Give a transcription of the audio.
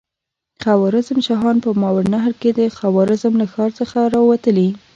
خوارزم شاهان په ماوراالنهر کې د خوارزم له ښار څخه را وتلي.